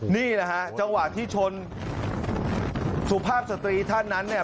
นี่แหละฮะจังหวะที่ชนสุภาพสตรีท่านนั้นเนี่ย